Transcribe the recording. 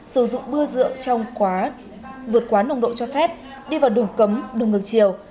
sử dụng bưa rượu trong quá vượt quá nồng độ cho phép đi vào đường cấm đường ngược chiều